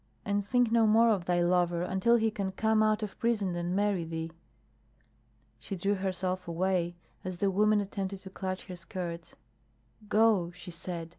And think no more of thy lover until he can come out of prison and marry thee." She drew herself away as the woman attempted to clutch her skirts. "Go," she said.